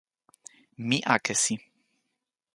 mi akesi.